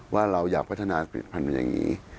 ว่าเราอยากพัฒนาผลิตภัณฑ์อย่างนี้